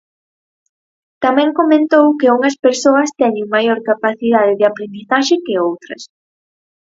Tamén comentou que unhas persoas "teñen maior capacidade de aprendizaxe que outras".